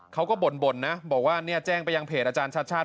เขาก็บ่นนะบอกว่าเนี่ยแจ้งไปยังเพจอาจารย์ชาติชาติ